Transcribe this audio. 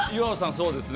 そうですよ。